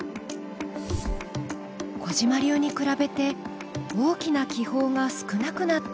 小嶋流に比べて大きな気泡が少なくなっています。